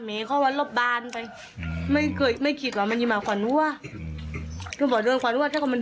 มีเขามารอบบานไปอืมไม่เคยไม่คิดว่ามันยิ้มมาขวัดนั่วอืม